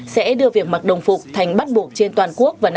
sẽ đưa việc mặc đồng phục thành bắt buộc trên toàn quốc vào năm hai nghìn hai mươi